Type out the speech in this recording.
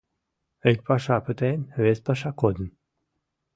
ИК ПАША ПЫТЕН, ВЕС ПАША КОДЫН